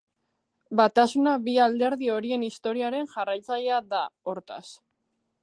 Batasuna bi alderdi horien historiaren jarraitzaile da, hortaz.